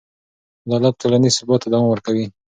عدالت ټولنیز ثبات ته دوام ورکوي.